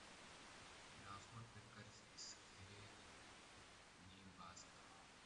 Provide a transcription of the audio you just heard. ناخن پہ قرض اس گرہِ نیم باز کا